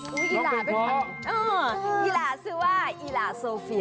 อื้ออีหลาซื้อว่าอีหลาโซเฟีย